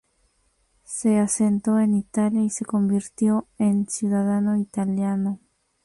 Se asentó en Italia y se convirtió en ciudadano italiano.